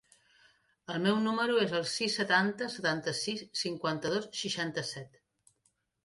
El meu número es el sis, setanta, setanta-sis, cinquanta-dos, seixanta-set.